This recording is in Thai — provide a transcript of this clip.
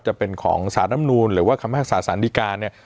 จะเป็นของสรรพนูนหรือว่าคำหลักศึกษาศัลนิกาเนี่ย